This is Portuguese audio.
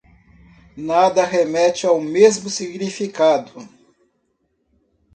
Nada remete ao mesmo significado